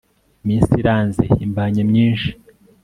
iminsi iranze imbanye myinshi